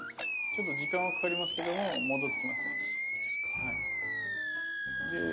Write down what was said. ちょっと時間はかかりますけども戻ってきますね。